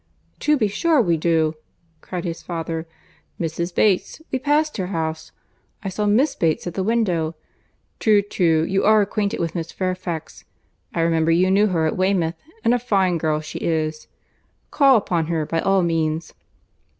"To be sure we do," cried his father; "Mrs. Bates—we passed her house—I saw Miss Bates at the window. True, true, you are acquainted with Miss Fairfax; I remember you knew her at Weymouth, and a fine girl she is. Call upon her, by all means."